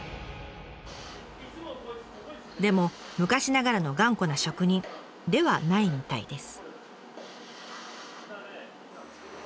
でも昔ながらの頑固な職人ではないみたいです。